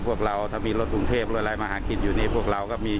พวกเราถ้ามีรถกรุงเทพรถอะไรมาหากินอยู่นี่พวกเราก็มี